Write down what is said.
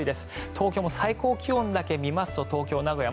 東京も最高気温だけ見ますと東京、名古屋